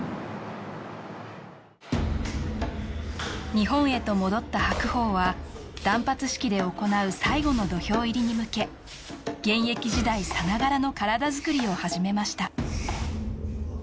日本へと戻った白鵬は断髪式で行う最後の土俵入りに向け現役時代さながらの体づくりを始めました